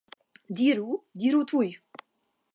Diru, diru tuj!